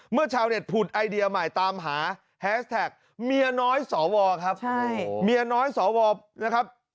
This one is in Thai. ชาวเน็ตผุดไอเดียใหม่ตามหาแฮสแท็กเมียน้อยสวครับเมียน้อยสวนะครับ